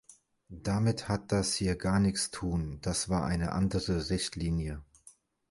Damit hat das hier gar nichts tun, das war eine andere Richtlinie.